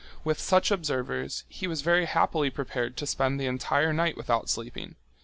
With such observers, he was very happily prepared to spend the entire night without sleeping.